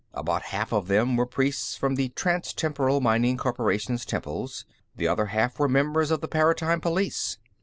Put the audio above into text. About half of them were priests from the Transtemporal Mining Corporation's temples; the other half were members of the Paratime Police.